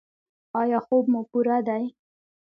ایا خوب مو پوره دی؟